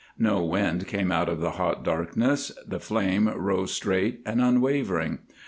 No wind came out of the hot darkness; the flame rose straight and unwavering.